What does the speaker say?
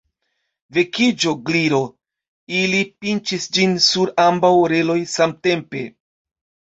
"Vekiĝu, Gliro!" Ili pinĉis ĝin sur ambaŭ oreloj samtempe.